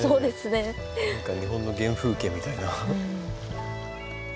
何か日本の原風景みたいな。